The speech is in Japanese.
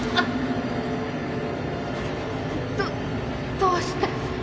どどうして？